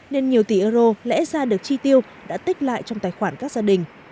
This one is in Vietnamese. nên nhiều tỷ euro lẽ ra được chi tiêu đã tích lại trong tài khoản các gia đình